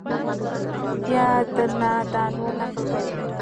بیا در نه دا نور نقل کوي!